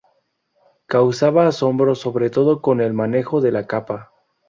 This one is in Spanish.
Causaba asombro sobre todo con el manejo de la capa.